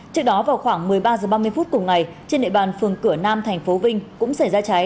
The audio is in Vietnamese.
trước đó vào khoảng một mươi ba h ba mươi phút cùng ngày trên hệ bản phường cửa nam tp vinh cũng xảy ra cháy